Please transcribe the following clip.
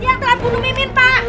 dia yang telah bunuh mimin pak